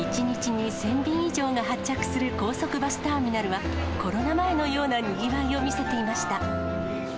１日に１０００便以上が発着する高速バスターミナルはコロナ前のようなにぎわいを見せていました。